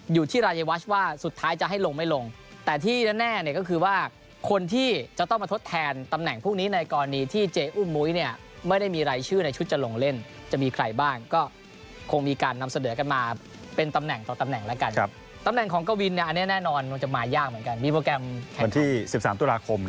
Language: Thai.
อยู่ที่รายวัชว่าสุดท้ายจะให้ลงไม่ลงแต่ที่แน่เนี่ยก็คือว่าคนที่จะต้องมาทดแทนตำแหน่งพวกนี้ในกรณีที่เจ๊อุ้มมุ้ยเนี่ยไม่ได้มีรายชื่อในชุดจะลงเล่นจะมีใครบ้างก็คงมีการนำเสนอกันมาเป็นตำแหน่งต่อตำแหน่งแล้วกันครับตำแหน่งของกวินเนี่ยอันนี้แน่นอนมันจะมายากเหมือนกันมีโปรแกรมแข่งวันที่๑๓ตุลาคม